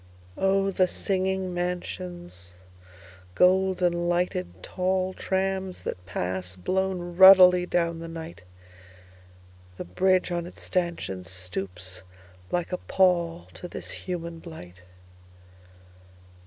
Oh, the singing mansions, Golden lighted tallTrams that pass, blown ruddily down the night! The bridge on its stanchionsStoops like a pallTo this human blight.